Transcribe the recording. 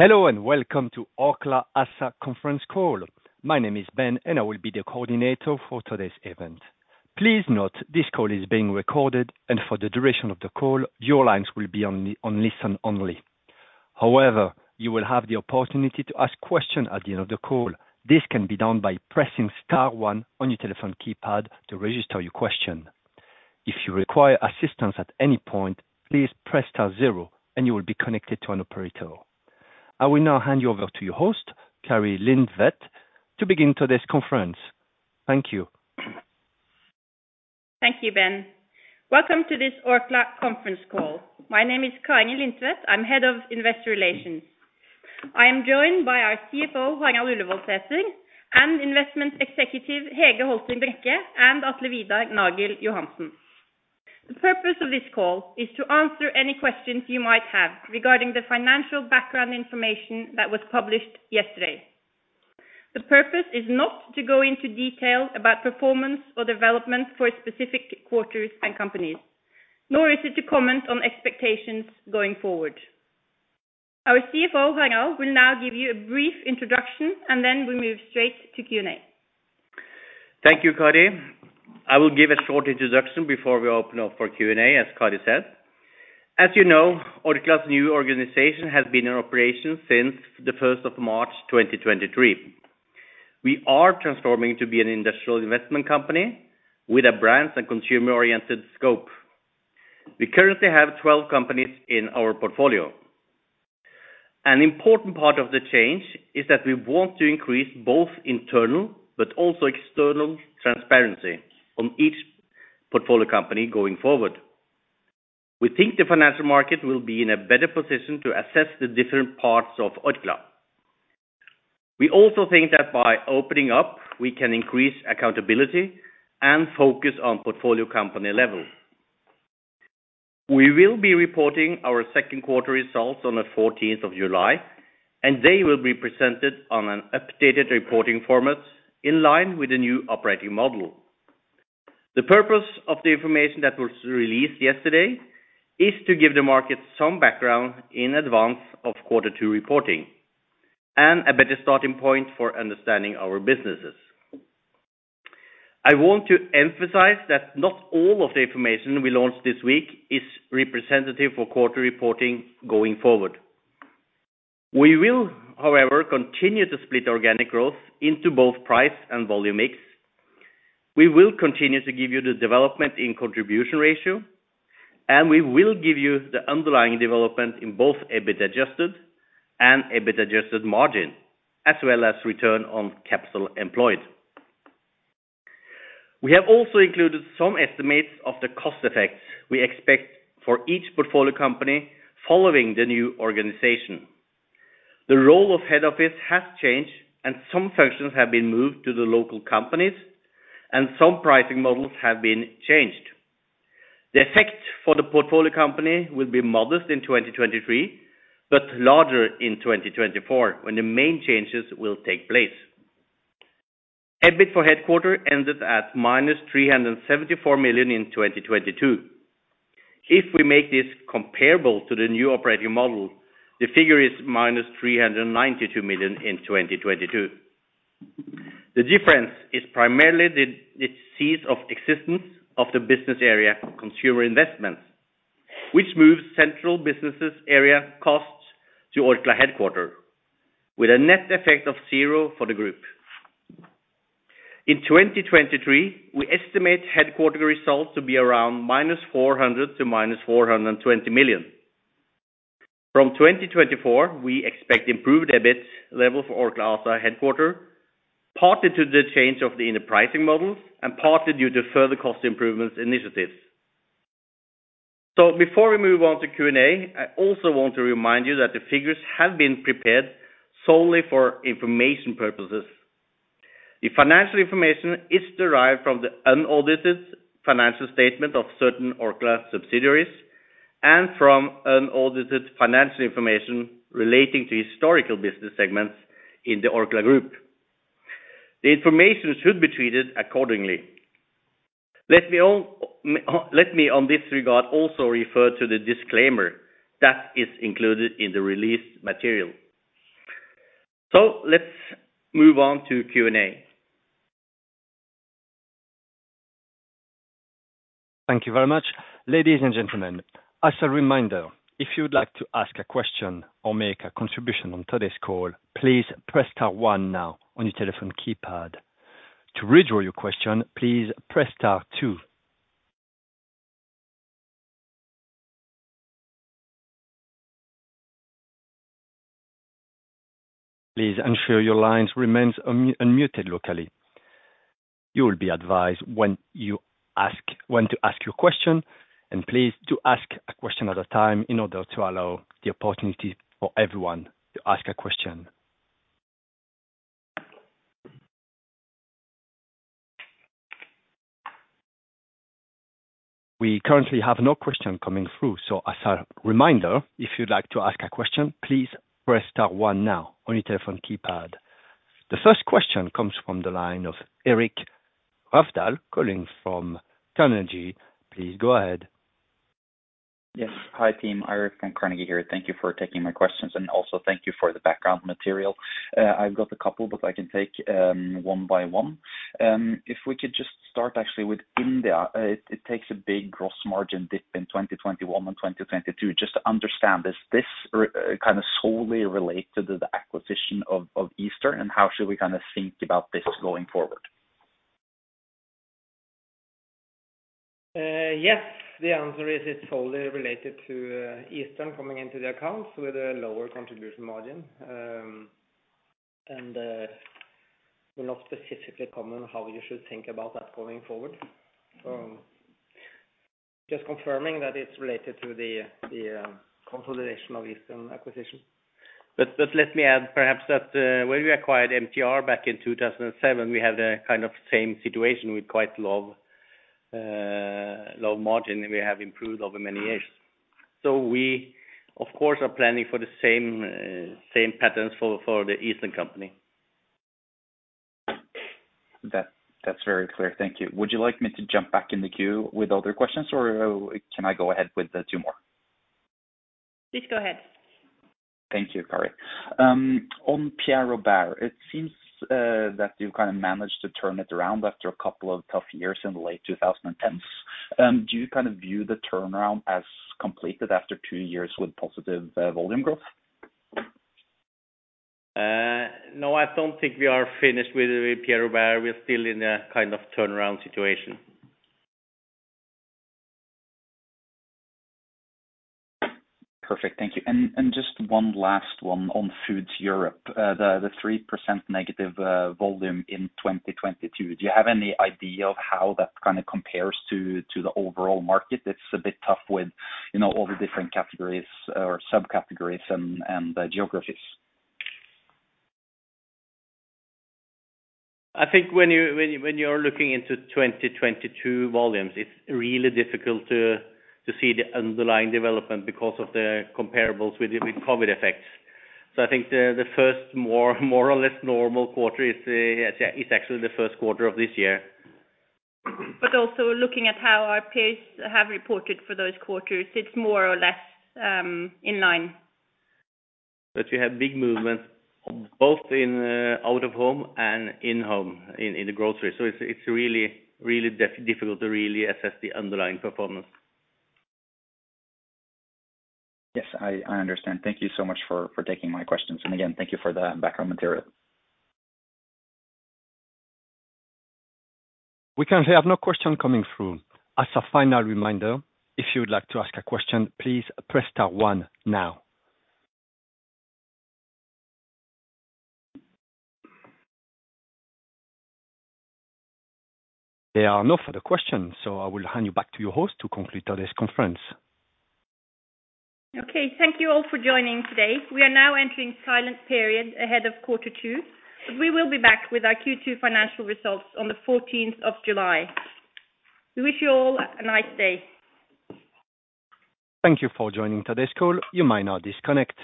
Hello, welcome to Orkla ASA conference call. My name is Ben, and I will be the coordinator for today's event. Please note this call is being recorded. For the duration of the call, your lines will be on listen only. You will have the opportunity to ask questions at the end of the call. This can be done by pressing star one on your telephone keypad to register your question. If you require assistance at any point, please press star zero and you will be connected to an operator. I will now hand you over to your host, Kari Lindtvedt, to begin today's conference. Thank you. Thank you, Ben. Welcome to this Orkla conference call. My name is Kari Lindtvedt. I'm Head of Investor Relations. I am joined by our CFO, Harald Ullevoldsæter, and Investment Executive, Hege Holter Brekke and Atle Vidar Nagel Johansen. The purpose of this call is to answer any questions you might have regarding the financial background information that was published yesterday. The purpose is not to go into detail about performance or development for specific quarters and companies, nor is it to comment on expectations going forward. Our CFO, Harald, will now give you a brief introduction, and then we'll move straight to Q&A. Thank you, Kari. I will give a short introduction before we open up for Q&A, as Kari said. As you know, Orkla's new organization has been in operation since the 1st of March 2023. We are transforming to be an industrial investment company with a brand and consumer-oriented scope. We currently have 12 companies in our portfolio. An important part of the change is that we want to increase both internal but also external transparency on each portfolio company going forward. We think the financial market will be in a better position to assess the different parts of Orkla. We also think that by opening up, we can increase accountability and focus on portfolio company level. We will be reporting our second quarter results on the 14th of July, and they will be presented on an updated reporting format in line with the new operating model. The purpose of the information that was released yesterday is to give the market some background in advance of quarter two reporting and a better starting point for understanding our businesses. I want to emphasize that not all of the information we launched this week is representative for quarterly reporting going forward. We will, however, continue to split organic growth into both price and volume mix. We will continue to give you the development in contribution ratio, and we will give you the underlying development in both EBIT adjusted and EBIT adjusted margin, as well as return on capital employed. We have also included some estimates of the cost effects we expect for each portfolio company following the new organization. The role of head office has changed and some functions have been moved to the local companies, and some pricing models have been changed. The effect for the portfolio company will be modest in 2023, but larger in 2024, when the main changes will take place. EBIT for headquarter ended at -374 million in 2022. If we make this comparable to the new operating model, the figure is -392 million in 2022. The difference is primarily the cease of existence of the business area, Consumer Investments, which moves central businesses area costs to Orkla headquarter, with a net effect of zero for the group. In 2023, we estimate headquarter results to be around -400 million to -420 million. From 2024, we expect improved EBIT level for Orkla ASA headquarter, partly to the change of the inner pricing models and partly due to further cost improvements initiatives. Before we move on to Q&A, I also want to remind you that the figures have been prepared solely for information purposes. The financial information is derived from the unaudited financial statement of certain Orkla subsidiaries and from unaudited financial information relating to historical business segments in the Orkla group. The information should be treated accordingly. Let me, on this regard, also refer to the disclaimer that is included in the release material. Let's move on to Q&A. Thank you very much. Ladies and gentlemen, as a reminder, if you would like to ask a question or make a contribution on today's call, please press star one now on your telephone keypad. To withdraw your question, please press star two. Please ensure your lines remains unmuted locally. You will be advised when to ask your question, and please to ask a question at a time in order to allow the opportunity for everyone to ask a question. We currently have no question coming through, so as a reminder, if you'd like to ask a question, please press star one now on your telephone keypad. The first question comes from the line of Eirik Rafdal calling from Carnegie, please go ahead. Yes. Hi, team, Eirik from Carnegie here. Thank you for taking my questions, also thank you for the background material. I've got a couple, I can take one by one. If we could just start actually with India. It takes a big gross margin dip in 2021 and 2022. Just to understand, does this kind of solely relate to the acquisition of Eastern, how should we kind of think about this going forward? Yes, the answer is, it's solely related to Eastern coming into the accounts with a lower contribution margin. We're not specifically comment on how you should think about that going forward. Just confirming that it's related to the consolidation of Eastern acquisition. Let me add perhaps that, when we acquired MTR back in 2007, we had a kind of same situation with quite low, low margin, and we have improved over many years. We, of course, are planning for the same patterns for the Eastern company. That's very clear. Thank you. Would you like me to jump back in the queue with other questions, or can I go ahead with two more? Please go ahead. Thank you, Kari. On Pierre Robert, it seems that you've kind of managed to turn it around after a couple of tough years in the late 2010s. Do you kind of view the turnaround as completed after two years with positive volume growth? No, I don't think we are finished with the Pierre Robert. We're still in a kind of turnaround situation. Perfect. Thank you. Just one last one on Foods Europe. The -3% negative volume in 2022, do you have any idea of how that kind of compares to the overall market? It's a bit tough with, you know, all the different categories or subcategories and geographies. I think when you are looking into 2022 volumes, it's really difficult to see the underlying development because of the comparables with COVID effects. I think the first more or less normal quarter is actually the first quarter of this year. Also looking at how our peers have reported for those quarters, it's more or less in line. You had big movements both in out of home and in home, in the grocery. It's really difficult to really assess the underlying performance. Yes, I understand. Thank you so much for taking my questions. Again, thank you for the background material. We currently have no question coming through. As a final reminder, if you would like to ask a question, please press star one now. There are no further questions. I will hand you back to your host to complete today's conference. Okay, thank you all for joining today. We are now entering silent period ahead of quarter two. We will be back with our Q2 financial results on the 14th of July. We wish you all a nice day. Thank you for joining today's call. You may now disconnect.